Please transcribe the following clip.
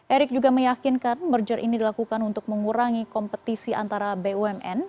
erick juga meyakinkan merger ini dilakukan untuk mengurangi kompetisi antara bumn